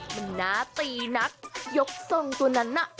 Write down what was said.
มันน่าตีนักยกทรงตัวนั้นน่ะ